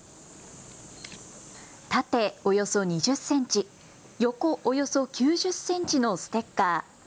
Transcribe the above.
縦およそ２０センチ、横およそ９０センチのステッカー。